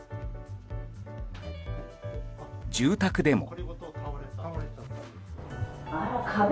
住宅でも。